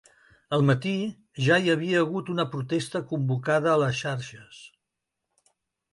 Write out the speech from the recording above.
Al matí, ja hi havia hagut una protesta convocada a les xarxes.